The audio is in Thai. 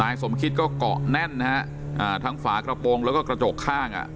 สมคิดก็เกาะแน่นนะฮะทั้งฝากระโปรงแล้วก็กระจกข้างอ่ะ